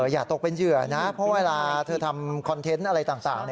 อย่าตกเป็นเหยื่อนะเพราะเวลาเธอทำคอนเทนต์อะไรต่าง